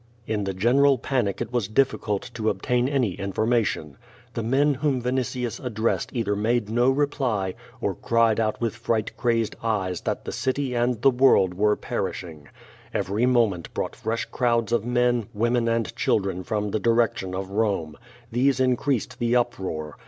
In the general panic it was difficulttoobtainanyinfonnation. Themenwhom Vinitius addressed either made no reply, or cried out with fright crazed eyes that the city and the world were i)crishing. Every moment brought fresh crowds of men, women and children from the direction of Home. These increased the uproar.